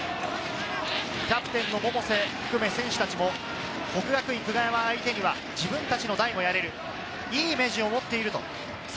キャプテンの百瀬を含め、選手たちも國學院久我山相手には、自分たちの代もやれる、いいイメージを持っている。